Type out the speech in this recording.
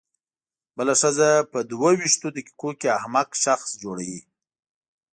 بله ښځه په دوه وېشتو دقیقو کې احمق شخص جوړوي.